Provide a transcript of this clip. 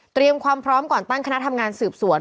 ความพร้อมก่อนตั้งคณะทำงานสืบสวน